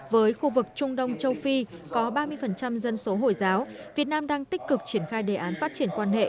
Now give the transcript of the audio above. với khu vực trung đông châu phi có ba mươi dân số hồi giáo việt nam đang tích cực triển khai đề án phát triển quan hệ